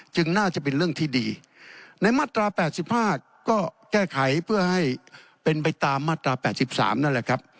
น่าจะเป็นเรื่องที่ดีในมาตรา๘๕ก็แก้ไขเพื่อให้เป็นไปตามมาตรา๘๓นั่นแหละครับ